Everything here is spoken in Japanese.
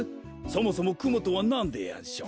そもそもくもとはなんでやんしょ？